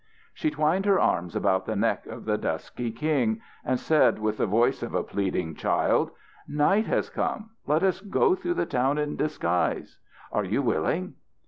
She twined her arms about the neck of the dusky king, and said with the voice of a pleading child: "Night has come. Let us go through the town in disguise. Are you willing?"